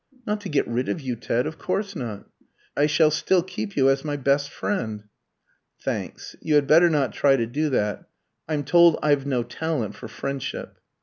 "Not to get rid of you, Ted, of course not. I shall still keep you as my best friend." "Thanks. You had better not try to do that. I'm told I've no talent for friendship."